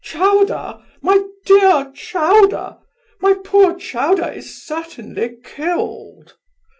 Chowder! my dear Chowder! my poor Chowder is certainly killed!